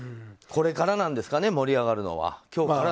これからなんですかね盛り上がるのは。